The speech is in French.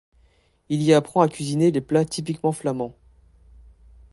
Il y apprend à cuisiner les plats typiquement flamands.